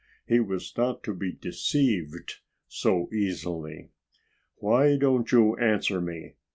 He was not to be deceived so easily. "Why don't you answer me?"